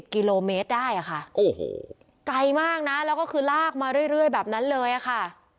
กิโลเมตรได้ค่ะโอ้โหไกลมากนะแล้วก็คือลากมาเรื่อยแบบนั้นเลยค่ะ